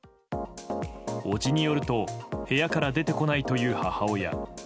伯父によると部屋から出てこないという母親。